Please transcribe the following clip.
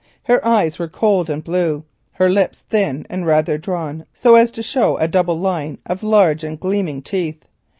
Her eyes were cold and blue, her lips thin and rather drawn, so as to show a double line of large and gleaming teeth.